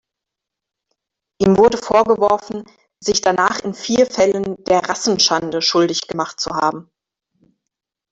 Ihm wurde vorgeworfen, sich danach in vier Fällen der „Rassenschande“ schuldig gemacht zu haben.